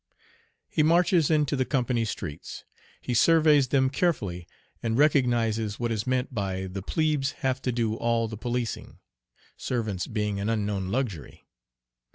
He marches into the company streets. He surveys them carefully and recognizes what is meant by "the plebes have to do all the policing," servants being an unknown luxury.